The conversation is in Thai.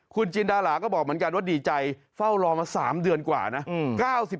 คุณจินดาราก็บอกเหมือนกันว่าดีใจเฝ้ารอมา๓เดือนกว่านะ